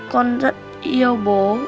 con rất yêu bố